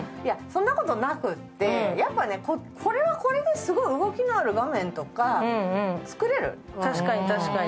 そんなことなくて、やっぱね、これはこれですごい動きのある画面とか作れる。